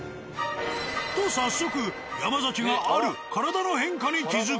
と早速山崎がある体の変化に気付く。